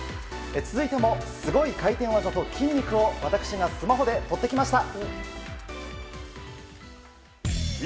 続いてもすごい回転技と筋肉を、私がスマホで追ってきました！